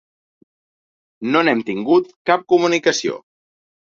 No n’hem tingut cap comunicació.